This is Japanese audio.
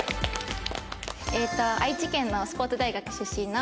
愛知県のスポーツ大学出身の仲沢のあです。